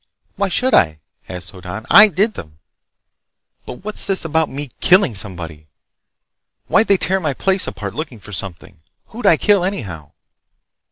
"Why should I?" asked Hoddan. "I did them! But what's this about me killing somebody? Why'd they tear my place apart looking for something? Who'd I kill, anyhow?"